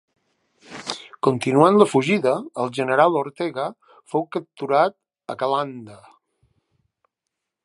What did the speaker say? Continuant la fugida, el general Ortega fou capturat a Calanda.